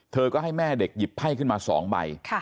เธอก็ให้แม่เด็กหยิบไพ่ขึ้นมา๒ใบ